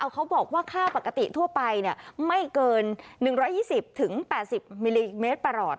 เขาบอกว่าค่าปกติทั่วไปไม่เกิน๑๒๐๘๐มิลลิเมตรประหลอด